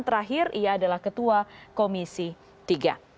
terakhir ia adalah ketua komisi tiga